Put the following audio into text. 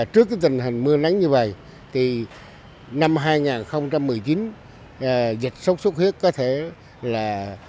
trước tình hình mưa nắng như vậy thì năm hai nghìn một mươi chín dịch sốt xuất huyết có thể là